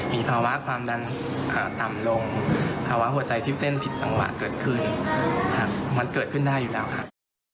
มีภาวะความดันต่ำลงภาวะหัวใจที่เต้นผิดจังหวะเกิดขึ้นมันเกิดขึ้นได้อยู่แล้วครับ